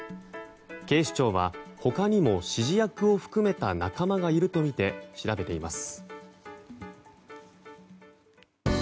警視庁は、他にも指示役を含めた仲間がいるとみて調べています。